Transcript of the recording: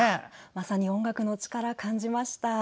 まさに音楽の力を感じました。